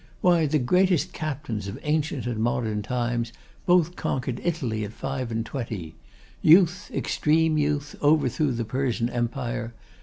Why, the greatest captains of ancient and modern times both conquered Italy at five and twenty! Youth, extreme youth, overthrew the Persian Empire.